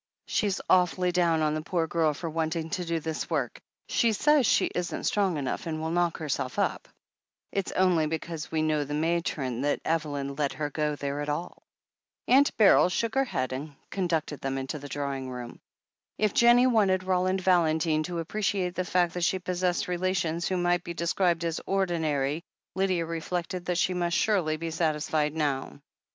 She's awfully down on the poor girl for wanting to do this work — sa)rs she isn't strong enough, and will knock herself up. It's only because we know the matron that Evelyn let her go there at all." Atmt Beryl shook her head, and conducted them into the drawing room. If Jennie wanted Roland Valentine to appreciate the fact that she possessed relations who might be described as "ordinary," Lydia reflected that she must surely be satisfied now.